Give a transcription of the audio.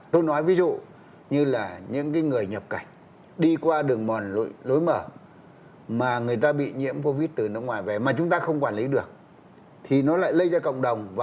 tôi nói ví dụ như là hướng dẫn cho các cái công trường